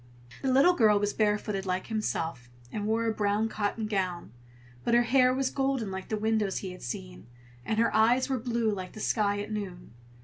The little girl was barefooted like himself, and wore a brown cotton gown, but her hair was golden like the windows he had seen, and her eyes were blue like the sky at noon.